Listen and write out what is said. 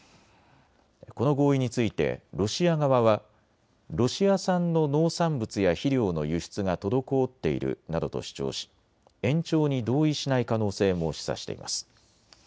この合意についてロシア側はロシア産の農産物や肥料の輸出が滞っているなどと主張し延長に同意しない可能性も示唆しています。